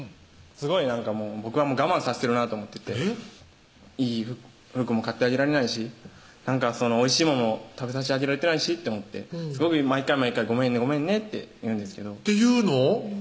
すごい僕は我慢させてるなと思ってていい服も買ってあげられないしおいしいもの食べさせてあげられてないしって思って毎回毎回「ごめんねごめんね」と言うんですけどって言うの？